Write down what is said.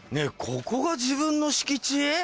ここが自分の敷地？